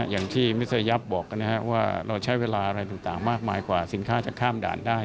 อย่างที่มิสยับบอกว่าเราใช้เวลาอะไรต่างมากมายกว่าสินค้าจะข้ามด่านได้